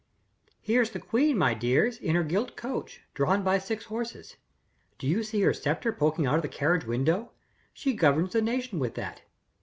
"Here's the queen, my dears, in her gilt coach, drawn by six horses. Do you see her scepter poking out of the carriage window? She governs the nation with that.